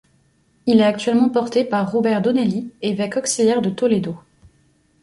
Il est actuellement porté par Robert Donnelly, évêque auxiliaire de Toledo.